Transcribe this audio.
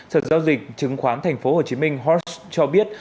sở giao dịch chứng khoán tp hcm hots cho biết